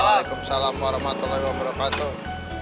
waalaikumsalam warahmatullahi wabarakatuh